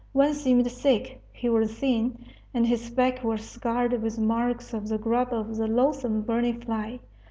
One seemed sick; he was thin, and his back was scarred with marks of the grub of the loathsome berni fly.